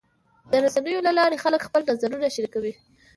د رسنیو له لارې خلک خپل نظر شریکوي.